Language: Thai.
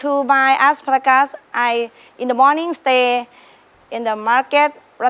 รอบส่มประหลาดอ้านจีบเลยแล้วชักก็ได้ค่ะ